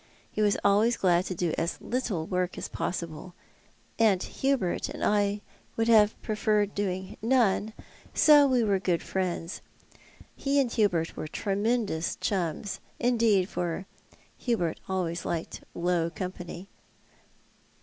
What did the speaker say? He was always glad to do as little work as possible, and Hubert and I would have preferred doing none, so we were good friends. He and Hubert were tremendous chums, indeed — for Hubert always liked low company."